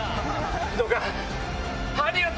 どうか。